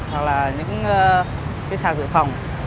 hoặc là những cái sạc dự phòng